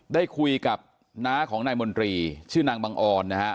ได้คุยกับน้าของนายมนตรีชื่อนางบังออนนะฮะ